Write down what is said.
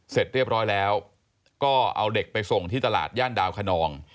เสร็จเรียบร้อยแล้วก็เอาเด็กไปส่งที่ตลาดย่านดาวขนอง